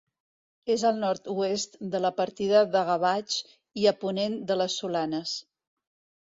És al nord-oest de la partida de Gavatx i a ponent de les Solanes.